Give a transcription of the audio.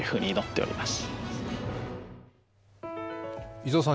伊沢さん